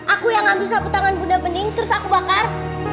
aku yang ambil sapu tangan bunda bening terus aku bakar